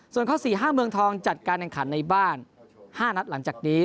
ส่วนข้อ๔๕เมืองทองจัดการแห่งขันในบ้าน๕นัดหลังจากนี้